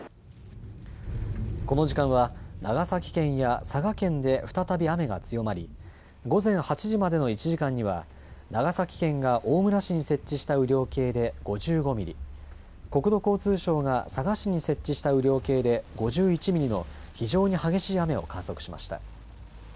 この時間は長崎県や佐賀県で再び雨が強まり午前８時までの１時間には長崎県が大村市に設置した雨量計で５５ミリ、国土交通省が佐賀市に設置した雨量計で５１ミリの非常に激しい雨を観測しました。